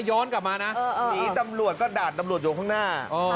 ย้อนกลับมานะเออเออหนีตำรวจก็ดาดตำรวจอยู่ข้างหน้าอ๋อ